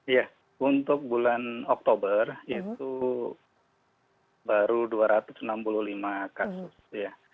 iya untuk bulan oktober itu baru dua ratus enam puluh lima kasus ya